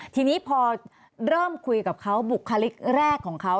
ทีนี้พอเริ่มคุยกับเขาบุคลิกแรกของเขา